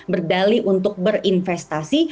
berdali untuk berinvestasi